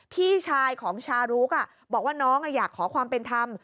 พี่ชายของชารุกบอกว่าน้องอยากขอความเป็นธรรม